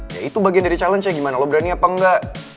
ya itu bagian dari challenge ya gimana lo berani apa enggak